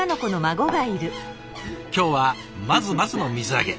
今日はまずまずの水揚げ。